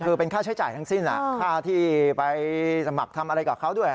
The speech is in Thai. คือเป็นค่าใช้จ่ายทั้งสิ้นค่าที่ไปสมัครทำอะไรกับเขาด้วย